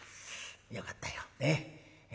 よかったよねえ。